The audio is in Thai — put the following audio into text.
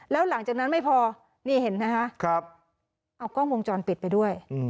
แล้วหลังจากนั้นไม่พอนี่เห็นไหมคะเอากล้องวงจรปิดไปด้วย